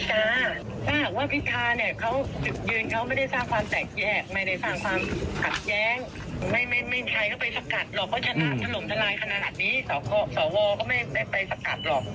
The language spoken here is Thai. สาววอลก็ไม่ได้ไปสกัดหรอก